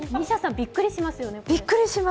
びっくりします。